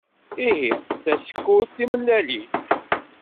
Ihi, tasekkurt timellalin!